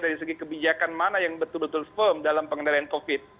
dari segi kebijakan mana yang betul betul firm dalam pengendalian covid